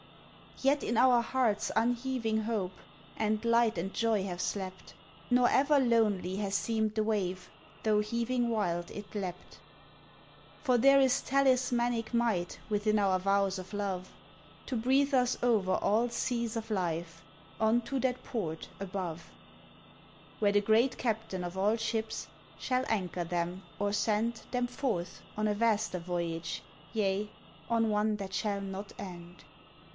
Yet in our hearts unheaving hope And light and joy have slept. Nor ever lonely has seemed the wave Tho' heaving wild it leapt. For there is talismanic might Within our vows of love To breathe us over all seas of life On to that Port, above, Where the great Captain of all ships Shall anchor them or send Them forth on a vaster Voyage, yea, On one that shall not end.